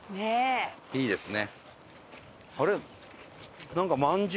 いいですね。